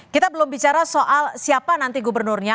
kita belum bicara soal siapa nanti gubernurnya